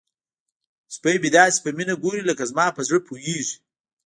سپی مې داسې په مینه ګوري لکه زما په زړه پوهیږي.